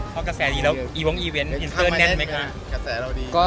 กำไรนั้นกระแสเราดี